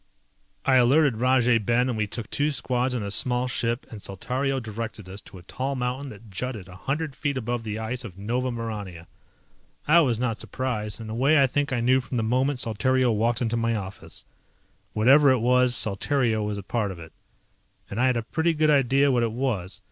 I alerted Rajay Ben and we took two squads and a small ship and Saltario directed us to a tall mountain that jutted a hundred feet above the ice of Nova Maurania. I was not surprised. In a way I think I knew from the moment Saltario walked into my office. Whatever it was Saltario was part of it. And I had a pretty good idea what it was.